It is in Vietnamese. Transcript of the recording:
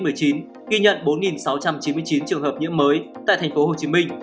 ghi nhận bốn sáu trăm chín mươi chín trường hợp nhiễm mới tại tp hcm